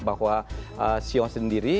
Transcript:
bahwa ciong sendiri